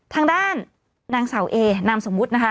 ทางด้านนางเสาเอนามสมมุตินะคะ